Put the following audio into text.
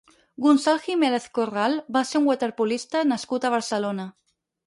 Gonçal Jiménez Corral va ser un waterpolista nascut a Barcelona.